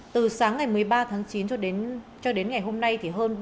từ sáng ngày một mươi ba tháng chín cho đến ngày hôm nay